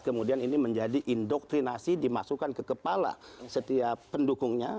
kemudian ini menjadi indoktrinasi dimasukkan ke kepala setiap pendukungnya